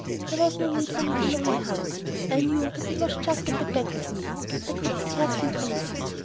There was no need for me to look behind, I knew that it was just at the back of me. I could scarcely breathe.